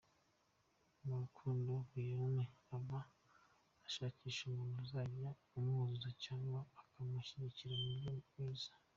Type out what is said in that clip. Mu rukundo, Guillaume aba ashakisha umuntu uzajya amwuzuza cyangwa akamushyigikira mu buryo bwiza.